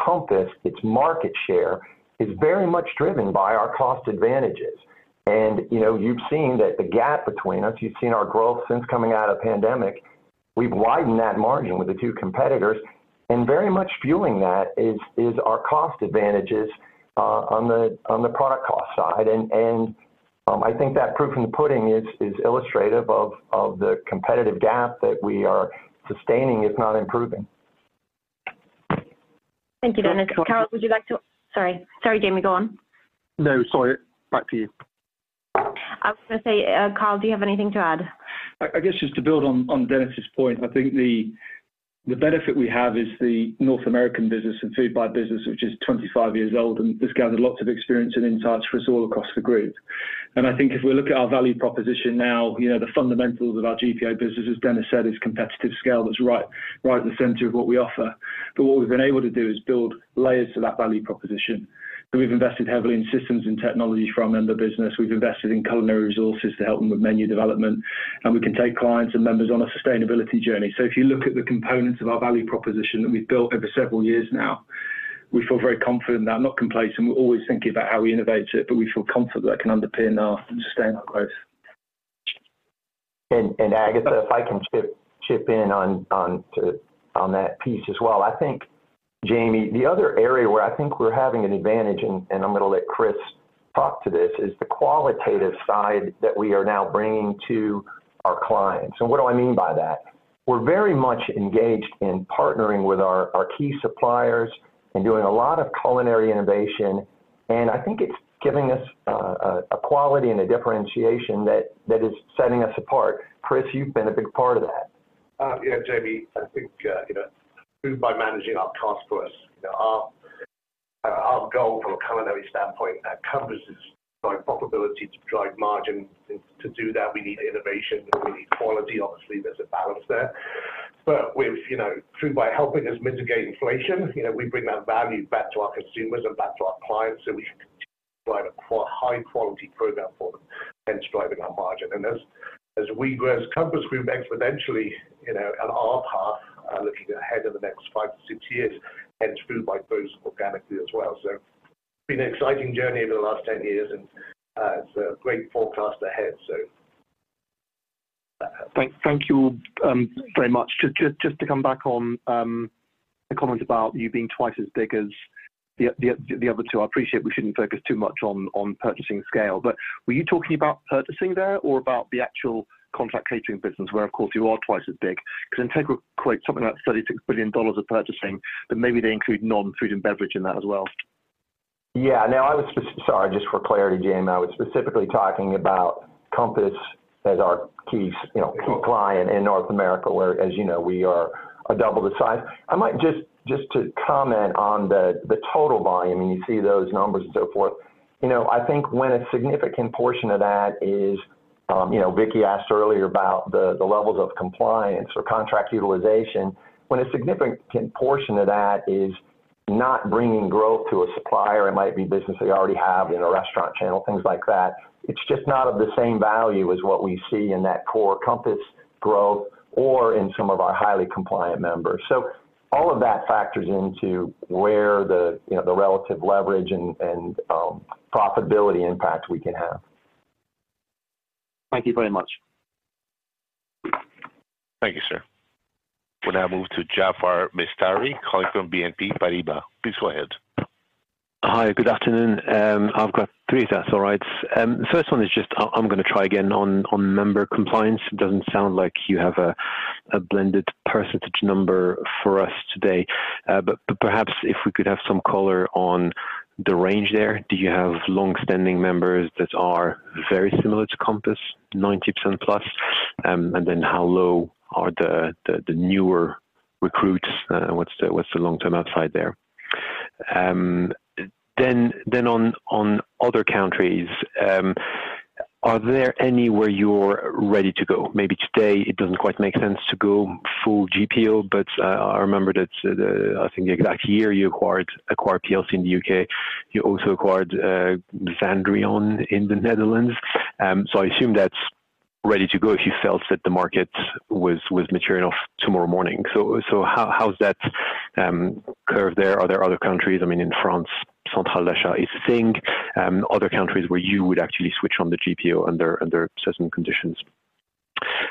Compass, its market share, is very much driven by our cost advantages. And, you know, you've seen that the gap between us, you've seen our growth since coming out of pandemic. We've widened that margin with the two competitors, and very much fueling that is our cost advantages on the product cost side. And I think that proof in the pudding is illustrative of the competitive gap that we are sustaining, if not improving. Thank you, Dennis. Karl, would you like? Sorry. Sorry, Jamie, go on. No, sorry. Back to you. I was gonna say, Karl, do you have anything to add? I guess just to build on Dennis's point, I think the benefit we have is the North American business and Foodbuy business, which is 25 years old, and it's gathered lots of experience and insights for us all across the group. And I think if we look at our value proposition now, you know, the fundamentals of our GPO business, as Dennis said, is competitive scale. That's right, right at the center of what we offer. But what we've been able to do is build layers to that value proposition. So we've invested heavily in systems and technologies for our member business. We've invested in culinary resources to help them with menu development, and we can take clients and members on a sustainability journey. If you look at the components of our value proposition that we've built over several years now, we feel very confident, not complacent. We're always thinking about how we innovate it, but we feel confident that it can underpin our sustainable growth. And Agatha, if I can chip in on to that piece as well. I think, Jamie, the other area where I think we're having an advantage, and I'm gonna let Chris talk to this, is the qualitative side that we are now bringing to our clients. So what do I mean by that? We're very much engaged in partnering with our key suppliers and doing a lot of culinary innovation, and I think it's giving us a quality and a differentiation that is setting us apart. Chris, you've been a big part of that. Yeah, Jamie, I think, you know, Foodbuy managing our cost for us. You know, our, our goal from a culinary standpoint at Compass is drive profitability, to drive margin. And to do that, we need innovation, and we need quality. Obviously, there's a balance there. But with, you know, Foodbuy helping us mitigate inflation, you know, we bring that value back to our consumers and back to our clients so we can continue to provide a high-quality program for them, hence driving our margin. And as we grow, as Compass grew exponentially, you know, on our path, looking ahead over the next five to six years, hence Foodbuy grows organically as well. So it's been an exciting journey over the last 10 years, and it's a great forecast ahead, so. Thank you very much. Just to come back on the comment about you being twice as big as the other two. I appreciate we shouldn't focus too much on purchasing scale, but were you talking about purchasing there or about the actual contract catering business, where, of course, you are twice as big? Because Entegra quotes something like $36 billion of purchasing, but maybe they include non-food and beverage in that as well. Yeah, no, I was sorry, just for clarity, Jamie, I was specifically talking about Compass as our key, you know, key client in North America, where, as you know, we are double the size. I might just to comment on the total volume, and you see those numbers and so forth. You know, I think when a significant portion of that is, you know, Vicki asked earlier about the levels of compliance or contract utilization. When a significant portion of that is not bringing growth to a supplier, it might be business they already have in a restaurant channel, things like that, it's just not of the same value as what we see in that core Compass growth or in some of our highly compliant members. All of that factors into where the, you know, the relative leverage and profitability impact we can have. Thank you very much. Thank you, sir. We now move to Jaafar Mestiri calling from BNP Paribas. Please go ahead. Hi, good afternoon. I've got three if that's all right. The first one is just I'm gonna try again on member compliance. It doesn't sound like you have a blended percentage number for us today, but perhaps if we could have some color on the range there. Do you have longstanding members that are very similar to Compass, 90% plus, and then how low are the newer recruits? What's the long-term upside there? Then on other countries, are there any where you're ready to go? Maybe today it doesn't quite make sense to go full GPO, but I remember that. I think exact year you acquired PSL in the UK. You also acquired Xandrion in the Netherlands. So I assume that's ready to go if you felt that the market was maturing tomorrow morning. So how's that curve there? Are there other countries, I mean, in France, centrale d'achat is seeing other countries where you would actually switch on the GPO under certain conditions.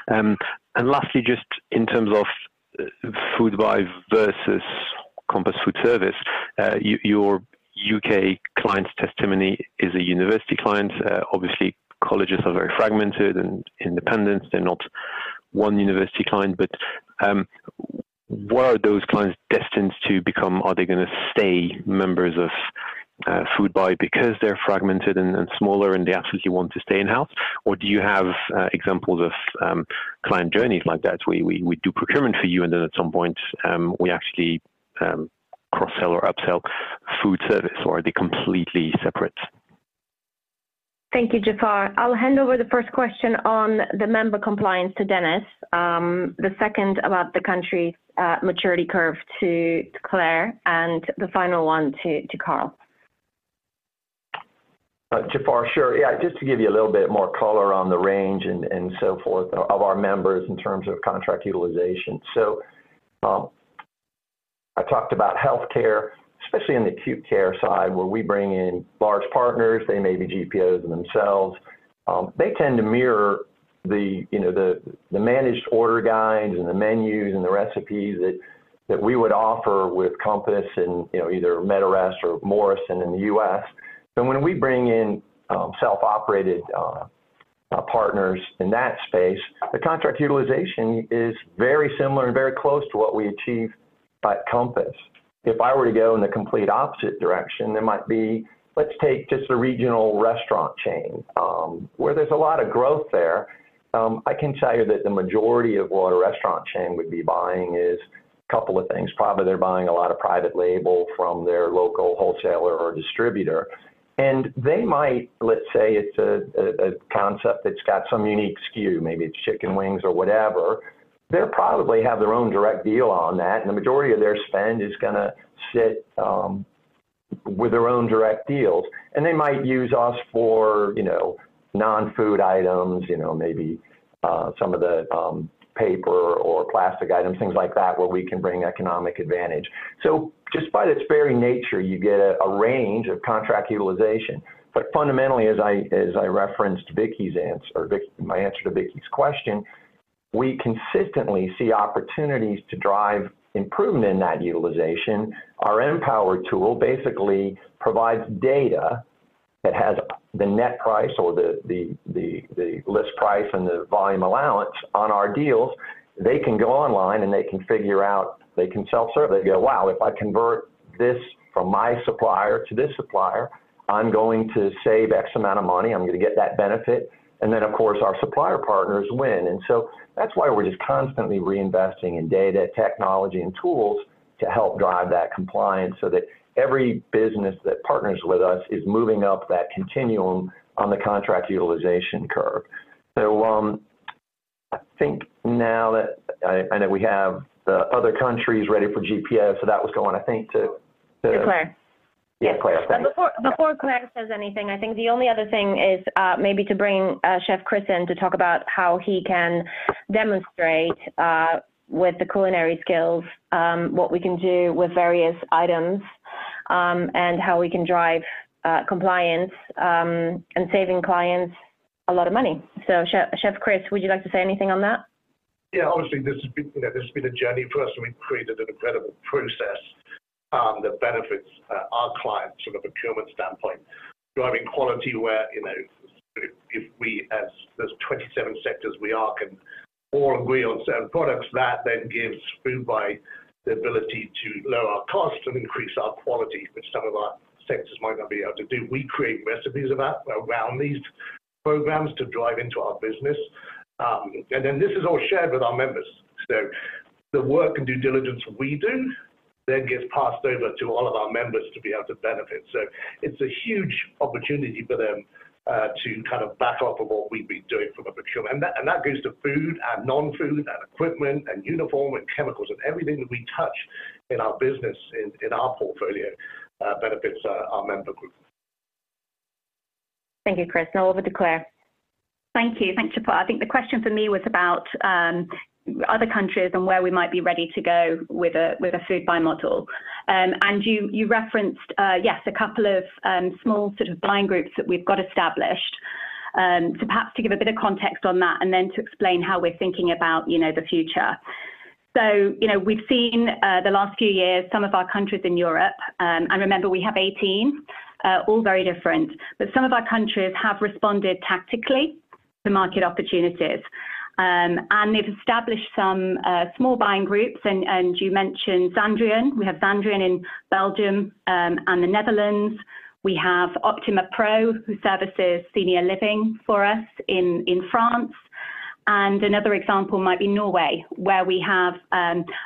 And lastly, just in terms of Foodbuy versus Compass Foodservice, your U.K. client's testimony is a university client. Obviously, colleges are very fragmented and independent. They're not one university client, but what are those clients destined to become? Are they gonna stay members of Foodbuy because they're fragmented and smaller, and they absolutely want to stay in-house? Or do you have examples of client journeys like that, we do procurement for you, and then at some point, we actually cross-sell or upsell food service, or are they completely separate? Thank you, Jafar. I'll hand over the first question on the member compliance to Dennis. The second about the country's maturity curve to Claire, and the final one to Karl. Jafar, sure. Yeah, just to give you a little bit more color on the range and so forth of our members in terms of contract utilization. So, I talked about healthcare, especially in the acute care side, where we bring in large partners, they may be GPOs themselves. They tend to mirror the, you know, the managed order guides and the menus and the recipes that we would offer with Compass and, you know, either Medirest or Morrison in the U.S. Then when we bring in self-operated partners in that space, the contract utilization is very similar and very close to what we achieve by Compass. If I were to go in the complete opposite direction, there might be. Let's take just a regional restaurant chain, where there's a lot of growth there. I can tell you that the majority of what a restaurant chain would be buying is a couple of things. Probably, they're buying a lot of private label from their local wholesaler or distributor, and they might, let's say, it's a concept that's got some unique SKU. Maybe it's chicken wings or whatever. They probably have their own direct deal on that, and the majority of their spend is gonna sit with their own direct deals. And they might use us for, you know, non-food items, you know, maybe some of the paper or plastic items, things like that, where we can bring economic advantage. So just by its very nature, you get a range of contract utilization. But fundamentally, as I referenced Vicki's answer, or Vicki, my answer to Vicki's question, we consistently see opportunities to drive improvement in that utilization. Our Empower tool basically provides data that has the net price or the list price and the volume allowance on our deals. They can go online, and they can figure out. They can self-serve. They go, "Wow, if I convert this from my supplier to this supplier, I'm going to save X amount of money. I'm gonna get that benefit." And then, of course, our supplier partners win. And so that's why we're just constantly reinvesting in data, technology, and tools to help drive that compliance so that every business that partners with us is moving up that continuum on the contract utilization curve. I think now that I know we have the other countries ready for GPO, so that was going, I think, to, the- To Claire. Yeah, Claire. Before Claire says anything, I think the only other thing is, maybe to bring Chef Chris in to talk about how he can demonstrate with the culinary skills what we can do with various items, and how we can drive compliance, and saving clients a lot of money. So Chef Chris, would you like to say anything on that? Yeah, obviously, this has been, you know, this has been a journey for us, and we've created an incredible process that benefits our clients from a procurement standpoint, driving quality where, you know, if we as those twenty-seven sectors we are, can all agree on certain products, that then gives Foodbuy the ability to lower our costs and increase our quality, which some of our sectors might not be able to do. We create recipes of that around these programs to drive into our business, and then this is all shared with our members. The work and due diligence we do then gets passed over to all of our members to be able to benefit, so it's a huge opportunity for them to kind of back off of what we've been doing from a procurement. That goes to food and non-food and equipment and uniform and chemicals and everything that we touch in our business, in our portfolio, our member group. Thank you, Chris. Now over to Claire. Thank you. Thanks, Jafar. I think the question for me was about other countries and where we might be ready to go with a Foodbuy model, and you referenced yes, a couple of small sort of buying groups that we've got established, so perhaps to give a bit of context on that and then to explain how we're thinking about, you know, the future, so, you know, we've seen the last few years, some of our countries in Europe, and remember, we have 18, all very different, but some of our countries have responded tactically to market opportunities, and they've established some small buying groups, and you mentioned Xandrion. We have Xandrion in Belgium and the Netherlands. We have Optima, who services senior living for us in France. Another example might be Norway, where we have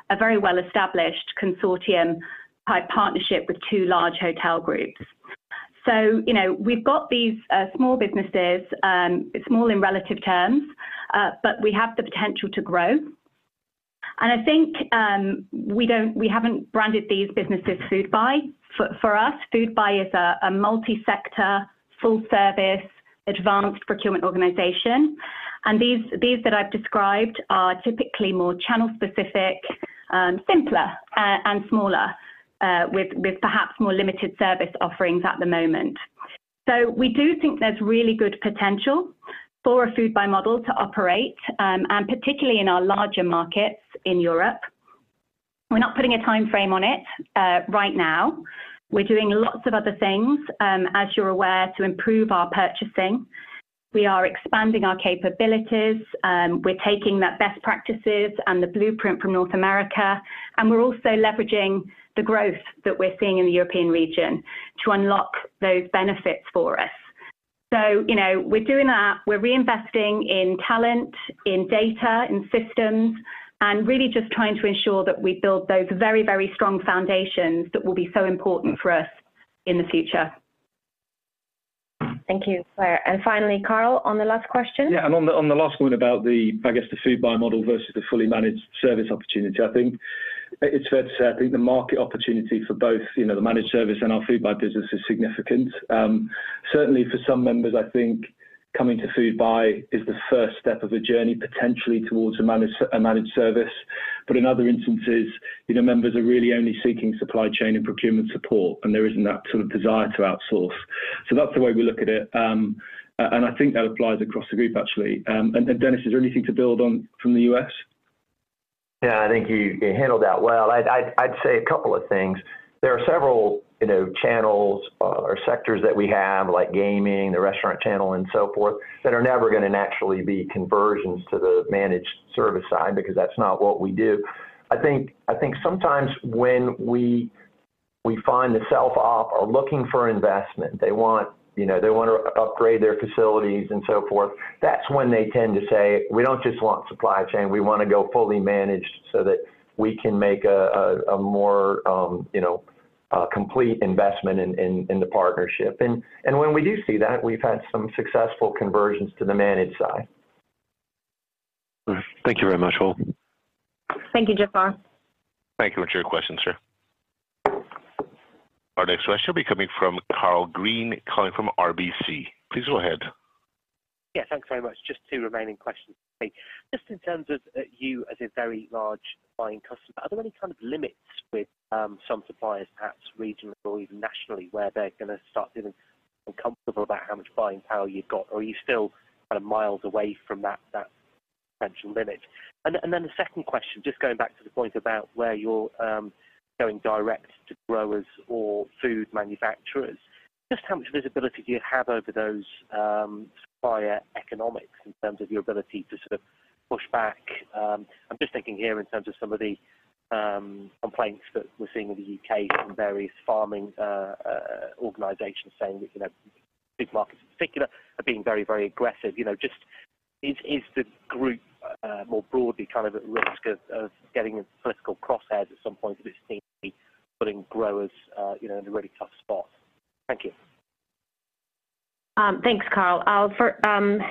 a very well-established consortium type partnership with two large hotel groups. So, you know, we've got these small businesses, small in relative terms, but we have the potential to grow. I think we don't, we haven't branded these businesses Foodbuy. For us, Foodbuy is a multi-sector, full-service, advanced procurement organization, and these that I've described are typically more channel specific, simpler, and smaller, with perhaps more limited service offerings at the moment. So we do think there's really good potential for a Foodbuy model to operate, and particularly in our larger markets in Europe. We're not putting a time frame on it right now. We're doing lots of other things, as you're aware, to improve our purchasing. We are expanding our capabilities, we're taking that best practices and the blueprint from North America, and we're also leveraging the growth that we're seeing in the European region to unlock those benefits for us. So, you know, we're doing that. We're reinvesting in talent, in data, in systems, and really just trying to ensure that we build those very, very strong foundations that will be so important for us in the future. Thank you, Claire. And finally, Karl, on the last question. Yeah, and on the last one about the, I guess, the Foodbuy model versus the fully managed service opportunity, I think it's fair to say, I think the market opportunity for both, you know, the managed service and our Foodbuy business is significant. Certainly for some members, I think coming to Foodbuy is the first step of a journey, potentially towards a managed service. But in other instances, you know, members are really only seeking supply chain and procurement support, and there isn't that sort of desire to outsource. So that's the way we look at it. And I think that applies across the group, actually. And Dennis, is there anything to build on from the US? Yeah, I think you handled that well. I'd say a couple of things. There are several, you know, channels or sectors that we have, like gaming, the restaurant channel and so forth, that are never going to naturally be conversions to the managed service side because that's not what we do. I think sometimes when we find the self-op are looking for investment, they want, you know, they want to upgrade their facilities and so forth, that's when they tend to say, "We don't just want supply chain, we want to go fully managed so that we can make a more, you know, complete investment in the partnership." And when we do see that, we've had some successful conversions to the managed side. Thank you very much, all. Thank you, Jafar. Thank you for your question, sir. Our next question will be coming from Karl Green, calling from RBC. Please go ahead. Yeah, thanks very much. Just two remaining questions. Just in terms of, you as a very large buying customer, are there any kind of limits with, some suppliers, perhaps regionally or even nationally, where they're going to start feeling uncomfortable about how much buying power you've got? Or are you still kind of miles away from that potential limit? And then the second question, just going back to the point about where you're, going direct to growers or food manufacturers, just how much visibility do you have over those, supplier economics in terms of your ability to sort of push back? I'm just thinking here in terms of some of the, complaints that we're seeing in the UK from various farming, organizations saying that, you know, big markets in particular are being very, very aggressive. You know, just, is the group more broadly kind of at risk of getting in political crosshairs at some point for this seemingly putting growers, you know, in a really tough spot? Thank you. Thanks, Karl. I'll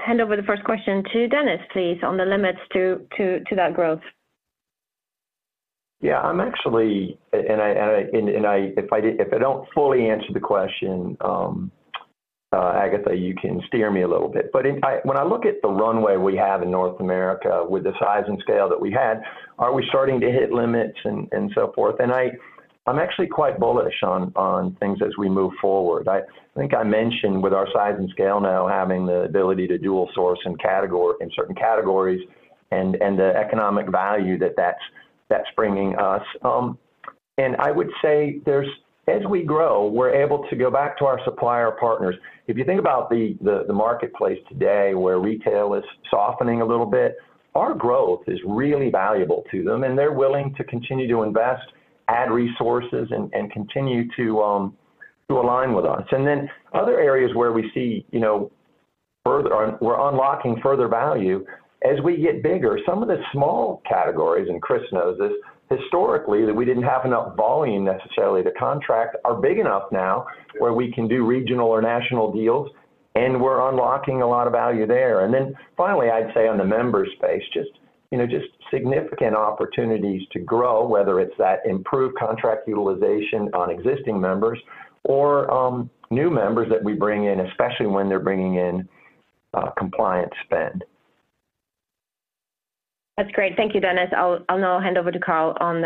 hand over the first question to Dennis, please, on the limits to that growth. Yeah, I'm actually, and if I don't fully answer the question, Agatha, you can steer me a little bit. But when I look at the runway we have in North America with the size and scale that we had, are we starting to hit limits and so forth? I'm actually quite bullish on things as we move forward. I think I mentioned with our size and scale now, having the ability to dual source in category, in certain categories, and the economic value that that's bringing us. And I would say there's, as we grow, we're able to go back to our supplier partners. If you think about the marketplace today, where retail is softening a little bit, our growth is really valuable to them, and they're willing to continue to invest, add resources, and continue to align with us. And then other areas where we see, you know, further on we're unlocking further value. As we get bigger, some of the small categories, and Chris knows this, historically, that we didn't have enough volume necessarily to contract, are big enough now where we can do regional or national deals, and we're unlocking a lot of value there. And then finally, I'd say on the member space, you know, significant opportunities to grow, whether it's that improved contract utilization on existing members or, new members that we bring in, especially when they're bringing in, compliance spend. That's great. Thank you, Dennis. I'll now hand over to Karl on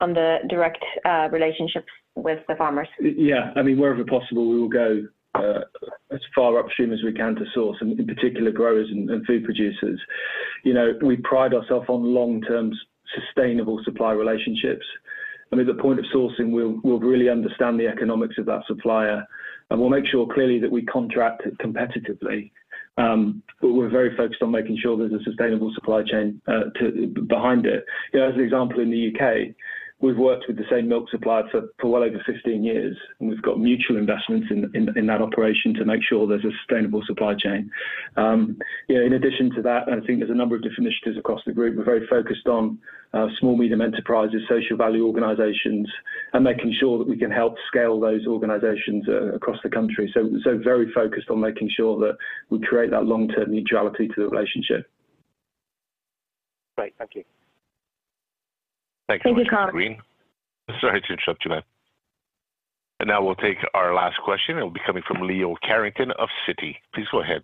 the direct relationships with the farmers. Yeah. I mean, wherever possible, we will go as far upstream as we can to source, and in particular, growers and food producers. You know, we pride ourselves on long-term, sustainable supply relationships. I mean, the point of sourcing, we'll really understand the economics of that supplier, and we'll make sure clearly that we contract it competitively. But we're very focused on making sure there's a sustainable supply chain to behind it. You know, as an example, in the UK, we've worked with the same milk supplier for well over 15 years, and we've got mutual investments in that operation to make sure there's a sustainable supply chain. Yeah, in addition to that, I think there's a number of different initiatives across the group. We're very focused on small, medium enterprises, social value organizations, and making sure that we can help scale those organizations across the country. So very focused on making sure that we create that long-term neutrality to the relationship. Great. Thank you. Thank you, Karl. Sorry to interrupt you, ma'am, and now we'll take our last question. It'll be coming from Leo Carrington of Citi. Please go ahead.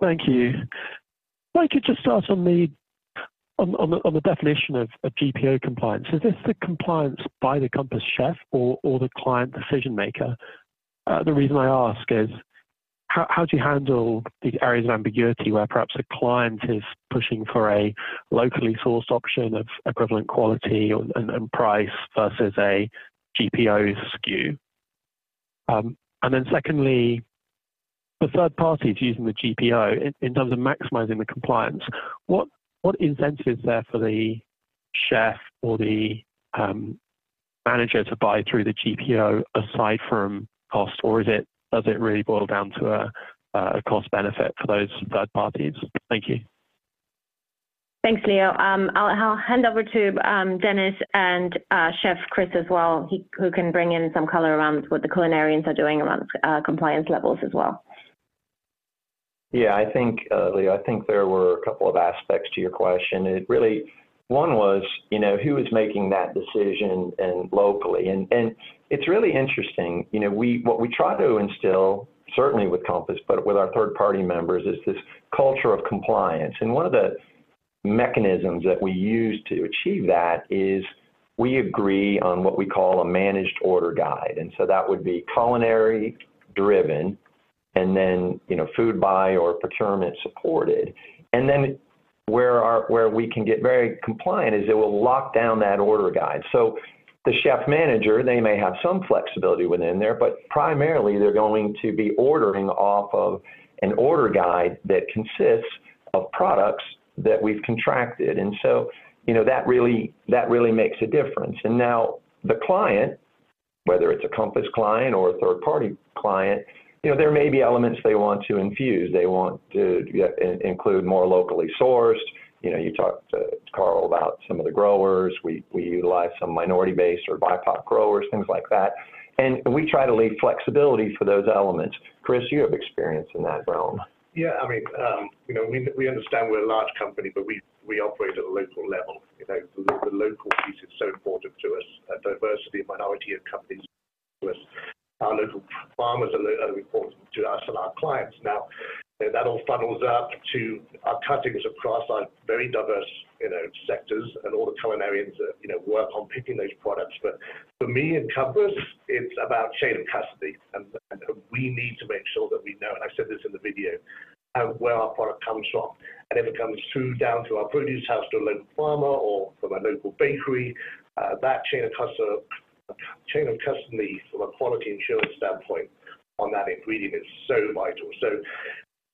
Thank you. If I could just start on the definition of GPO compliance. Is this the compliance by the Compass chef or the client decision maker? The reason I ask is, how do you handle the areas of ambiguity where perhaps a client is pushing for a locally sourced option of equivalent quality or and price versus a GPO's SKU? And then secondly, for third parties using the GPO, in terms of maximizing the compliance, what incentive is there for the chef or the manager to buy through the GPO aside from cost? Or is it does it really boil down to a cost benefit for those third parties? Thank you. Thanks, Leo. I'll hand over to Dennis and Chef Chris as well, who can bring in some color around what the culinarians are doing around compliance levels as well. Yeah, I think, Leo, I think there were a couple of aspects to your question. And really, one was, you know, who is making that decision and locally? And it's really interesting, you know, what we try to instill, certainly with Compass, but with our third-party members, is this culture of compliance. And one of the mechanisms that we use to achieve that is we agree on what we call a managed order guide, and so that would be culinary driven and then, you know, Foodbuy or procurement supported. And then where we can get very compliant is it will lock down that order guide. So the chef manager, they may have some flexibility within there, but primarily they're going to be ordering off of an order guide that consists of products that we've contracted. And so, you know, that really makes a difference. Now, the client, whether it's a Compass client or a third-party client, you know, there may be elements they want to infuse. They want to include more locally sourced. You know, you talked to Karl about some of the growers. We utilize some minority-based or BIPOC growers, things like that, and we try to leave flexibility for those elements. Chris, you have experience in that realm. Yeah, I mean, you know, we understand we're a large company, but we operate at a local level. You know, the local piece is so important to us, and diversity and minority of companies. Our local farmers are important to us and our clients. Now, that all funnels up to our categories across our very diverse, you know, sectors and all the culinarians that, you know, work on picking those products. But for me in Compass, it's about chain of custody, and we need to make sure that we know, and I've said this in the video, where our product comes from. If it comes through down to our produce house, to a local farmer or from a local bakery, that chain of custody from a quality assurance standpoint on that ingredient is so vital. So,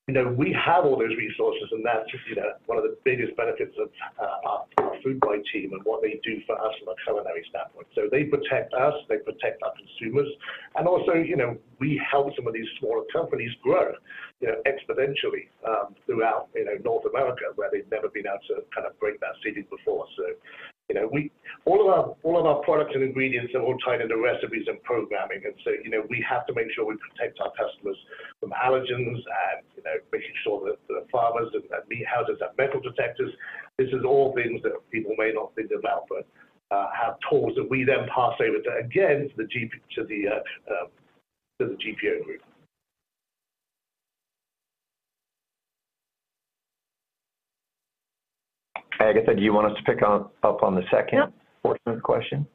you know, we have all those resources, and that's, you know, one of the biggest benefits of our Foodbuy team and what they do for us from a culinary standpoint. So they protect us, they protect our consumers, and also, you know, we help some of these smaller companies grow, you know, exponentially throughout, you know, North America, where they've never been able to kind of break that ceiling before. So, you know, all of our products and ingredients are all tied into recipes and programming, and so, you know, we have to make sure we protect our customers from allergens and, you know, making sure that the farmers and meat houses have metal detectors. This is all things that people may not think about, but have tools that we then pass over to, again, to the GPO group. Agatha, do you want us to pick up on the second- Yep. Fourth question?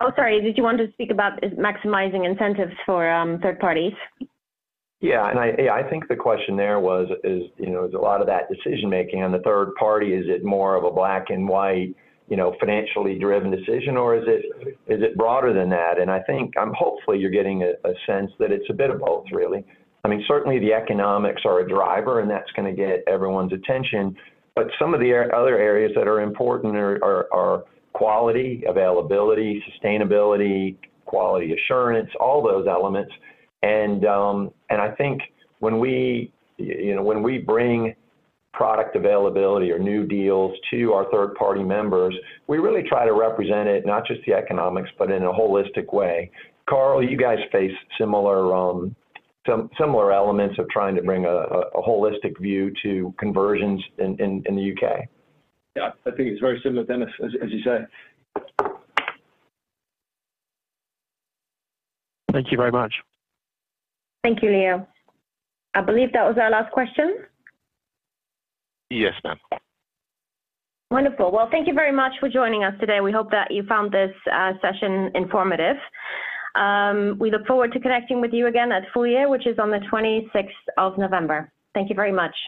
Oh, sorry, did you want to speak about maximizing incentives for third parties? Yeah, and yeah, I think the question there was, is, you know, there's a lot of that decision-making on the third party. Is it more of a black-and-white, you know, financially driven decision, or is it broader than that? And I think, hopefully, you're getting a sense that it's a bit of both, really. I mean, certainly, the economics are a driver, and that's gonna get everyone's attention, but some of the other areas that are important are quality, availability, sustainability, quality assurance, all those elements. And I think when we, you know, when we bring product availability or new deals to our third-party members, we really try to represent it, not just the economics, but in a holistic way. Karl, you guys face similar elements of trying to bring a holistic view to conversions in the UK. Yeah, I think it's very similar, Dennis, as you say. Thank you very much. Thank you, Leo. I believe that was our last question? Yes, ma'am. Wonderful. Well, thank you very much for joining us today. We hope that you found this session informative. We look forward to connecting with you again at full year, which is on the twenty-sixth of November. Thank you very much.